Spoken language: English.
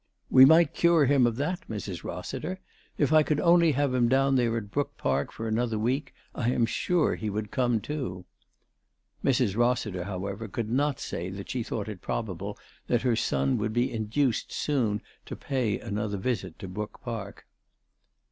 " We might cure him of that, Mrs. Rossiter. If I could only have him down there at Brook Park for another week, I am sure he would come to." Mrs. Rossiter, however, could not say that she thought it probable that her son would be induced soon to pay another visit to Brook Park.